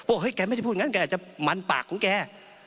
แกไม่ได้พูดอย่างนั้นแกอาจจะมันปากของแก